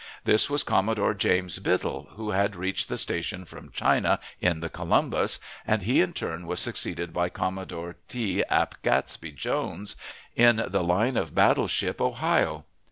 This was Commodore James Biddle, who had reached the station from China in the Columbus, and he in turn was succeeded by Commodore T. Ap Catesby Jones in the line of battle ship Ohio.